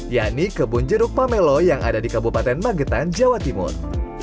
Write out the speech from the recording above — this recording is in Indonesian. yakni kebun jeruk pamelo yang ada di kabupaten magetan jawa timur